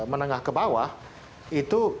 menengah ke bawah itu